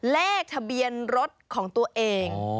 เลขทะเบียนรถของตัวเอง